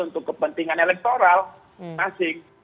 untuk kepentingan elektoral masing masing